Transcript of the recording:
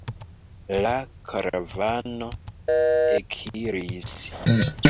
La karavano ekiris.